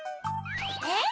えっ？